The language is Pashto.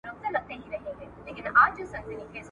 بوډا سومه د ژوند له هر پیونده یمه ستړی !.